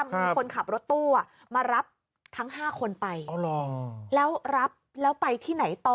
มีคนขับรถตู้มารับทั้ง๕คนไปแล้วรับแล้วไปที่ไหนต่อ